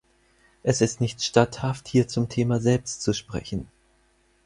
Es ist nicht statthaft, hier zum Thema selbst zu sprechen.